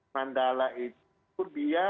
mandala itu dia